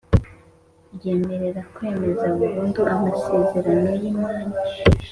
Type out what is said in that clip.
ryemerera kwemeza burundu amasezerano y impano